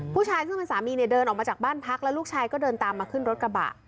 ผู้ชายซึ่งเป็นสามีเนี่ยเดินออกมาจากบ้านพักแล้วลูกชายก็เดินตามมาขึ้นรถกระบะ